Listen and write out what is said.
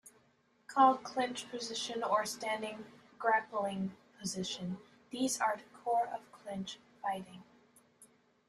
Called clinch position or standing grappling position, these are the core of clinch fighting.